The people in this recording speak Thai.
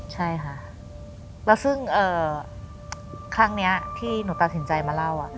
ใช่ค่ะแล้วซึ่งครั้งนี้ที่หนูตัดสินใจมาเล่า